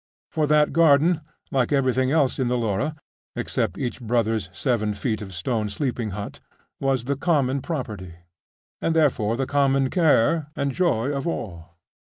For that garden, like everything else in the Laura, except each brother's seven feet of stone sleeping hut, was the common property, and therefore the common care and joy of all.